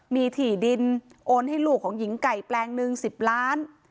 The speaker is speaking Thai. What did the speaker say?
มีถี่ดินโอนให้ลูกของหญิงไก่แปลงหนึ่ง๑๐ล้าน